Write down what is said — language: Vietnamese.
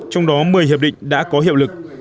trong đó một mươi hiệp định đã có hiệu lực